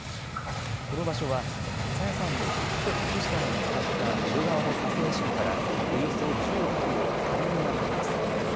この場所は朝芽さんの靴と靴下が見つかった江戸川の河川敷からおよそ１５キロ下流にあたります。